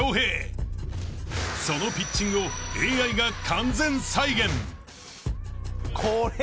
［そのピッチングをＡＩが完全再現］